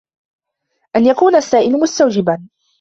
أَنْ يَكُونَ السَّائِلُ مُسْتَوْجِبًا